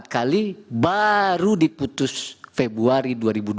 empat kali baru diputus februari dua ribu dua puluh